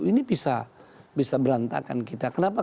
ini bisa berantakan kita kenapa